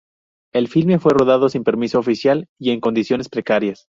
El filme fue rodado sin permiso oficial y en condiciones precarias.